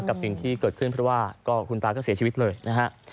กับสิ่งที่เกิดขึ้นเพราะว่าคุณตาก็เสียชีวิตเลยนะฮะ